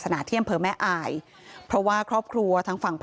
ชาวบ้านในพื้นที่บอกว่าปกติผู้ตายเขาก็อยู่กับสามีแล้วก็ลูกสองคนนะฮะ